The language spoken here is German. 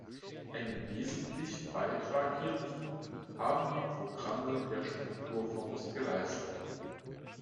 Einen wesentlichen Beitrag hierzu haben die Programme der Strukturfonds geleistet.